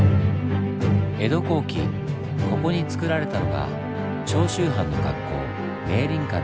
江戸後期ここにつくられたのが長州藩の学校明倫館でした。